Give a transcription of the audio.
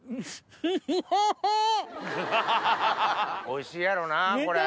おいしいやろうなこれ。